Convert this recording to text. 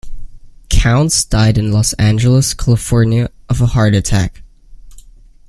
Counce died in Los Angeles, California, of a heart attack.